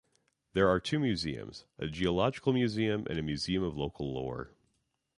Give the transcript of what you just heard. There are two museums: a geological museum and a museum of local lore.